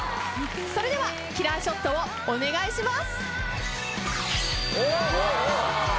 それではキラーショットをお願いします。